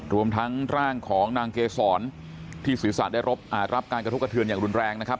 รวมทั้งร่างของนางเกษรที่ศีรษะได้รับการกระทบกระเทือนอย่างรุนแรงนะครับ